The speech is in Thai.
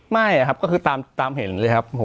ไม่ครับก็คือตามเห็นเลยครับ